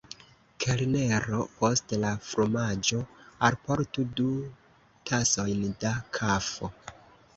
Kelnero, post la fromaĝo alportu du tasojn da kafo.